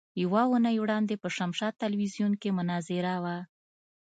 يوه اونۍ وړاندې په شمشاد ټلوېزيون کې مناظره وه.